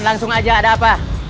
langsung aja ada apa